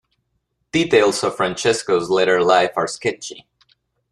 Details of Francesco's later life are sketchy.